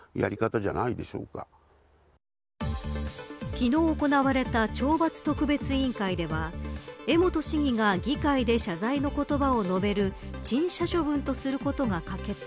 昨日行われた懲罰特別委員会では江本市議が議会で謝罪の言葉を述べる陳謝処分とすることが可決。